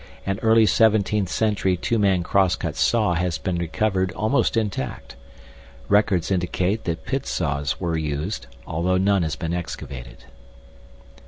An early 17th century two man crosscut saw has been recovered almost intact. Records indicate that pit saws were used, although none has been excavated.